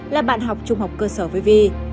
là bạn học trung học cơ sở với phi